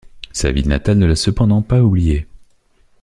Sa ville natale ne l'a cependant pas oublié.